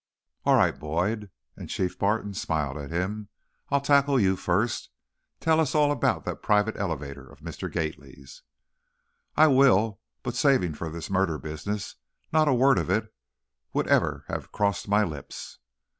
"All right, Boyd," and Chief Martin smiled at him. "I'll tackle you first. Tell us all about that private elevator of Mr. Gately's." "I will, but savin' for this murder business, not a word of it would ever have crossed my lips.